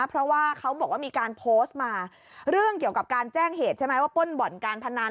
เพราะว่าเขาบอกว่ามีการโพสต์มาเรื่องเกี่ยวกับการแจ้งเหตุใช่ไหมว่าป้นบ่อนการพนัน